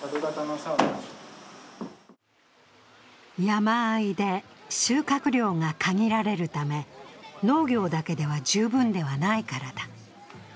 山あいで収穫量が限られるため、農業だけでは十分ではないからだ。